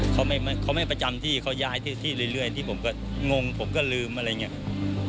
เขาไม่ประจำที่เขาย้ายที่เรื่อยที่ผมก็งงผมก็ลืมอะไรอย่างนี้